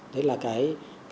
đấy là cái